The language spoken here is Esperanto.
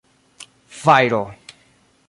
fajro